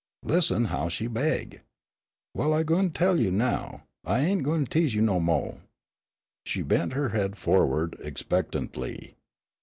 "Listen how she baig! Well, I gwine tell you now. I ain' gwine tease you no mo'." She bent her head forward expectantly.